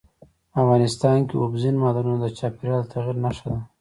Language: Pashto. افغانستان کې اوبزین معدنونه د چاپېریال د تغیر نښه ده.